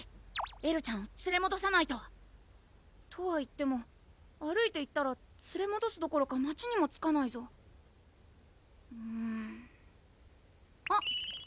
エルちゃんをつれもどさないと！とは言っても歩いていったらつれもどすどころか街にも着かないぞうんあっ！